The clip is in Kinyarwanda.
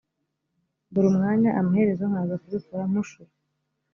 mbura umwanya, amaherezo nkaza kubikora mpushura